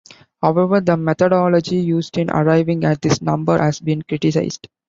However, the methodology used in arriving at this number has been criticized.